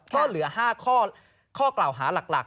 ก็เหลือ๕ข้อกล่าวหาหลัก